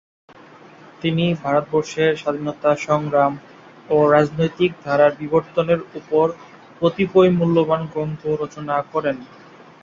তিনি ভারতবর্ষের স্বাধীনতা সংগ্রাম ও রাজনৈতিক ধারার বিবর্তনের উপর কতিপয় মূল্যবান গ্রন্থ রচনা করেন।